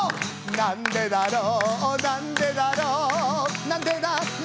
「なんでだろう」